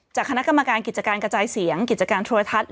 คณะกรรมการกิจการกระจายเสียงกิจการโทรทัศน์